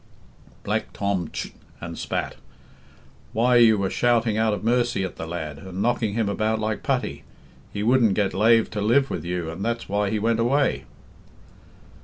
Black Tom tsht and spat. "Why, you were shouting out of mercy at the lad, and knocking him about like putty. He wouldn't get lave to live with you, and that's why he went away."